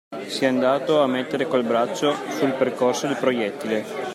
Si è andato a mettere col braccio sul percorso del proiettile.